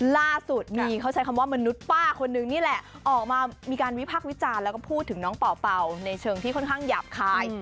ล่าสุดมีเขาใช้คำว่ามนุษย์ป้าคนนึงนี่แหละออกมามีการวิพักษ์วิจารณ์แล้วก็พูดถึงน้องเป่าเป่าในเชิงที่ค่อนข้างหยาบคาย